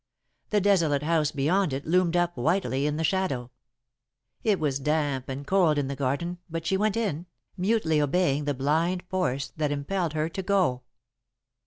The desolate house beyond it loomed up whitely in the shadow. It was damp and cold in the garden, but she went in, mutely obeying the blind force that impelled her to go.